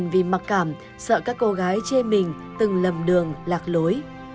vì mặc cảm sợ các cô gái chê mình từng lầm đường lạc lối